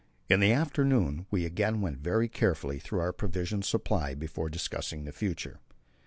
In the afternoon we again went very carefully through our provision supply before discussing the future.